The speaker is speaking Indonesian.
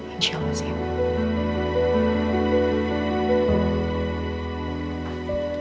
insya allah siap